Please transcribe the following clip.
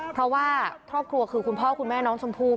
เพราะว่าครอบครัวคือคุณพ่อคุณแม่น้องชมพู่